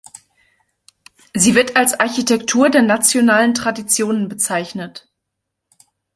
Sie wird als „Architektur der Nationalen Traditionen“ bezeichnet.